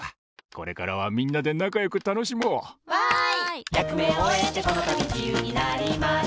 これからはみんなでなかよくたのしもう！わい！